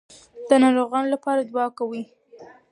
د ناروغانو لپاره دعا کوئ.